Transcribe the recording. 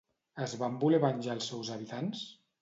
Es van voler venjar els seus habitants?